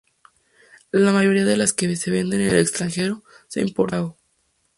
La mayoría de las que se venden en el extranjero se importa de Macao.